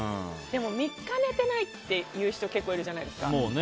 でも、３日寝てないって言う人結構いるじゃないですか。